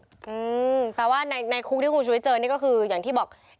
อืมแปลว่าในในคุกที่คุณชุวิตเจอนี่ก็คืออย่างที่บอก